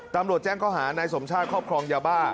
ตำรวจแจ้งข้อหานายสมชาติครอบครองยาบ้า